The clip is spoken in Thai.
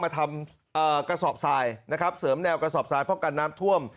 มาทำมเอ่อกระสอบซายนะครับเสริมแนวกระสอบซายเพาะกันน้ำท่วม